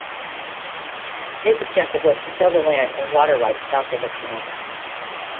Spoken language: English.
His objective was to sell the land and water rights south of the canal.